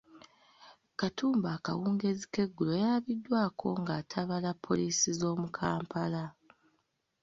Katumba akawungeezi k'eggulo yalabiddwako ng'atabaala poliisi z'omu Kampala.